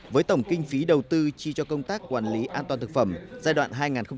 với tổng kinh phí đầu tư chi cho công tác quản lý an toàn thực phẩm giai đoạn hai nghìn một mươi một hai nghìn một mươi sáu